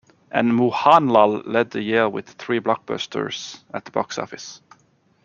And mohanlal led the year with three blockbusters at the box office.